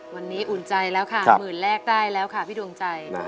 วันนี้อุ่นใจแล้วค่ะหมื่นแรกได้แล้วค่ะพี่ดวงใจ